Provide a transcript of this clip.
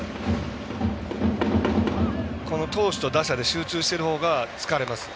投手と打者で集中しているほうが疲れます。